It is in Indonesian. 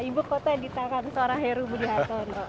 ibu kota yang ditangani seorang heru budi haton